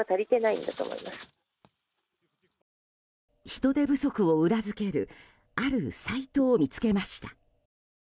人手不足を裏付けるあるサイトを見つけました。